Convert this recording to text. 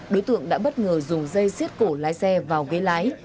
đối tượng đã bất ngờ dùng dây xiết cổ lái xe vào ghế lái